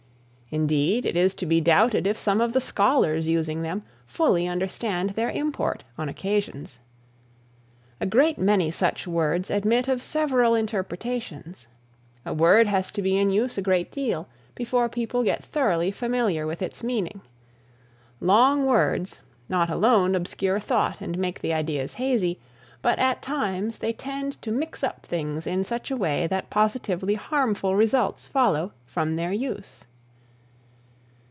Indeed, it is to be doubted if some of the "scholars" using them, fully understand their import on occasions. A great many such words admit of several interpretations. A word has to be in use a great deal before people get thoroughly familiar with its meaning. Long words, not alone obscure thought and make the ideas hazy, but at times they tend to mix up things in such a way that positively harmful results follow from their use.